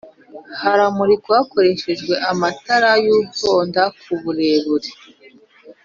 biramurikwa hakoreshejwe amatara y' uhondo kuburebure